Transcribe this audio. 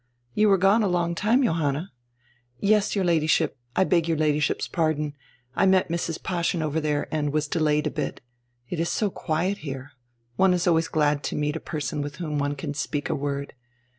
"You were gone a long time, Johanna." "Yes, your Ladyship — I beg your Ladyship's pardon — I met Mrs. Paaschen over there and was delayed a bit. It is so quiet here. One is always glad to meet a person with whom one can speak a word.